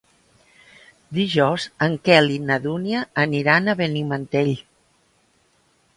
Dijous en Quel i na Dúnia aniran a Benimantell.